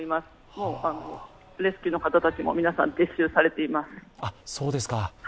もうレスキューの方たちも皆さん撤収されています。